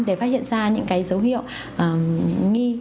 để phát hiện ra những dấu hiệu nghi